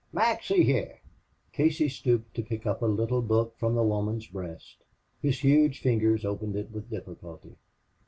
Mac, see here!" Casey stooped to pick up a little book from the woman's breast. His huge fingers opened it with difficulty.